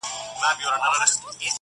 به ښایي د هر شاعر کلام